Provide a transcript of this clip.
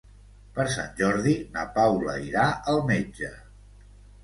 Per Sant Jordi na Paula irà al metge.